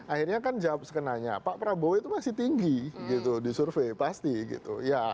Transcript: akhirnya kan jawab skenanya pak prabowo itu masih tinggi gitu di survei pasti gitu